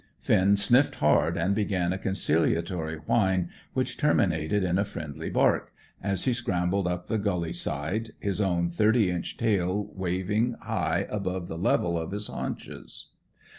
Finn sniffed hard, and began a conciliatory whine which terminated in a friendly bark, as he scrambled up the gully side, his own thirty inch tail waving high above the level of his haunches.